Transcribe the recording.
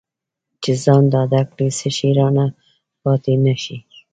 چې ځان ډاډه کړي څه شی رانه پاتې نه شي.